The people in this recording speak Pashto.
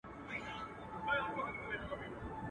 خیال دي راځي خو لکه خوب غوندي په شپه تېرېږي.